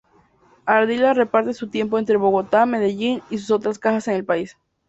Ardila reparte su tiempo entre Bogotá, Medellín y sus otras casas en el país.